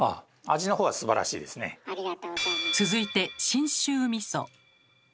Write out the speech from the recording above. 続いて信州みそ。